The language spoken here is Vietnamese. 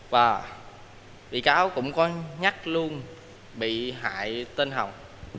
và bị cáo cũng có nhắc luôn bị hại tên hồng